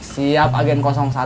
siap agen satu